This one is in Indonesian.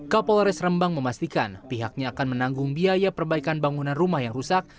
kapolres rembang memastikan pihaknya akan menanggung biaya perbaikan bangunan rumah yang rusak